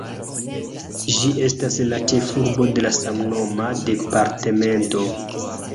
Ĝi estas la ĉefurbo de samnoma departemento.